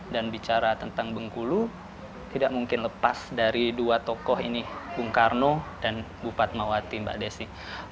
bicara tentang bengkulu tidak mungkin lepas dari dua tokoh ini bung karno dan bupat mawati mbak desi